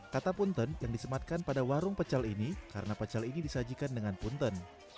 kata punten yang disematkan pada warung pecel ini karena pecel ini disajikan dengan punten